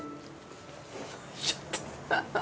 ちょっと！